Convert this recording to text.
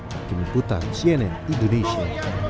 hakim ibutan cnn indonesia